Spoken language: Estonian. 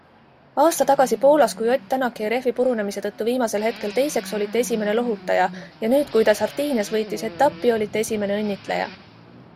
Aasta tagasi Poolas, kui Ott Tänak jäi rehvi purunemise tõttu viimasel hetkel teiseks, olite esimene lohutaja, ja nüüd, kui ta Sardiinias võitis etapi, olite esimene õnnitleja.